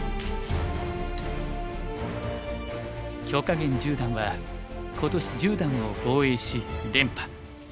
許家元十段は今年十段を防衛し連覇。